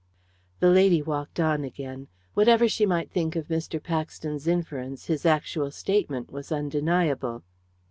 The lady walked on again; whatever she might think of Mr. Paxton's inference, his actual statement was undeniable.